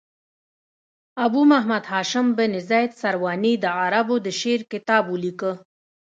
ابو محمد هاشم بن زید سرواني د عربو د شعر کتاب ولیکه.